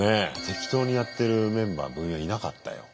適当にやってるメンバー部員はいなかったよ。